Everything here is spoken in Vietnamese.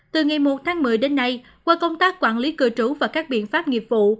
từ ngày một tháng một mươi đến nay qua công tác quản lý cư trú và các biện pháp nghiệp vụ